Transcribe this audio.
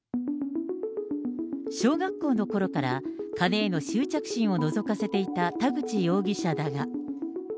小学校のころから、金への執着心をのぞかせていた田口容疑者だが。